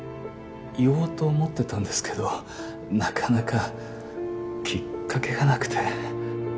言おうと思ってたんですけどなかなかきっかけがなくて。